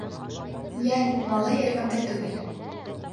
— Йәл, малай эргәмдә түгел.